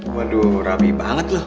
waduh rabi banget lo